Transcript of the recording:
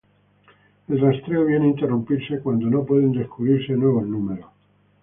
El rastreo viene a interrumpirse cuando no pueden descubrirse nuevos números.